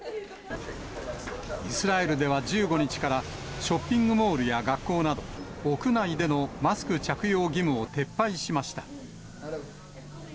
イスラエルでは１５日から、ショッピングモールや学校など、屋内でのマスク着用義務を撤廃しました。